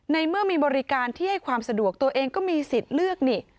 ในเมื่อมีบริการที่ให้ความสะดวกตัวเองก็มีสิทธิ์เลือกนี่